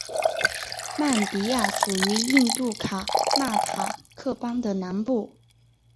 曼迪亚处于印度卡纳塔克邦的南部。